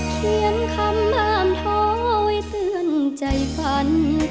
เขียนคำห้ามท้อไว้เตือนใจฝัน